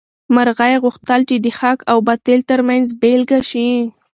مرغۍ غوښتل چې د حق او باطل تر منځ بېلګه شي.